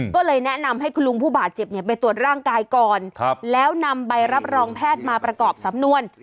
ก็เลยแนะนำให้คุณลุงผู้บาดเจ็บไปตรวจร่างกายก่อนแล้วนำใบรับรองแพทย์มาประกอบสำนวน